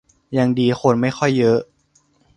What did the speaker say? ยังดีคนไม่ค่อยเยอะ